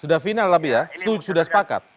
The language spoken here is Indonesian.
sudah final tapi ya sudah sepakat